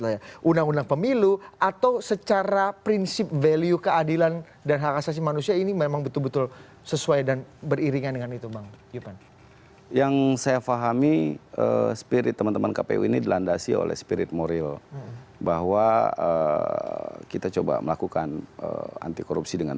jadi wajib diberhentikan